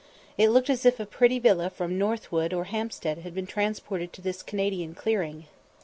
It looked as if a pretty villa from Norwood or Hampstead had been transported to this Canadian clearing.